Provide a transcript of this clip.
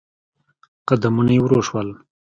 قدمونه يې ورو شول.